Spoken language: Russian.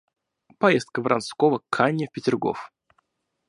Поездка Вронского к Анне в Петергоф.